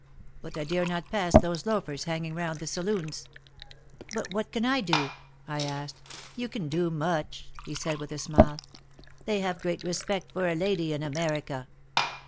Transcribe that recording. But I dare not pass those loafers hanging around the saloons." "But, what can I do?" I asked. "You can do much," he said with a smile. "They have great re spect for a lady in America."